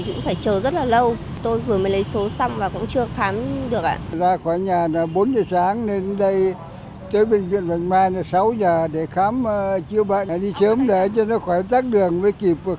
quá tải chen trúc mệt mỏi